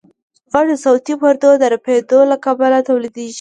غږ د صوتي پردو د رپېدو له کبله تولیدېږي.